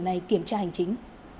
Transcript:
này kiểm tra hành chính